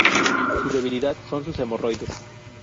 Su debilidad son sus hemorroides.